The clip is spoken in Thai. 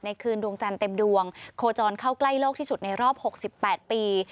คืนดวงจันทร์เต็มดวงโคจรเข้าใกล้โลกที่สุดในรอบ๖๘ปี